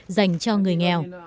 dành cho người nghèo